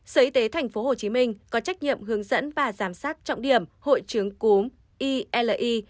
sở y tế tp hcm có trách nhiệm hướng dẫn và giám sát trọng điểm hội chứng cúm ile